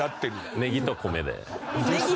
ネギと米。